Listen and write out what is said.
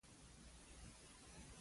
ژوند ښکلی دی.